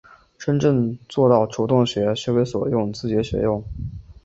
真正做到主动学、学为所用、自觉学用